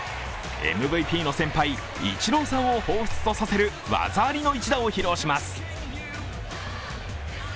ＭＶＰの先輩・イチローさんを彷彿とさせる技ありの一打を披露します。